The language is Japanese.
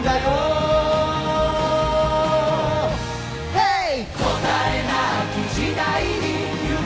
ヘイ！